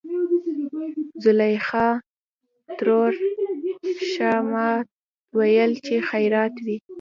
زليخا ترور :ښا ما ويل چې خېرت وي.